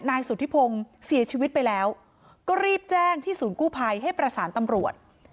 นายสุธิพงศ์เสียชีวิตไปแล้วก็รีบแจ้งที่ศูนย์กู้ภัยให้ประสานตำรวจ